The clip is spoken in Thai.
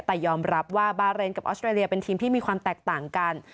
แต่ยอมรับว่าบาเรนกับออสเตรเลียเป็นทีมที่มีความแตกต่างกัน